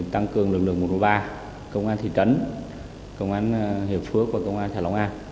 tăng cường lực lượng một ba công an thị trấn công an hiệp phước và công an xã long an